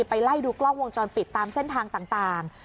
ไล่ดูกล้องวงจรปิดตามเส้นทางต่าง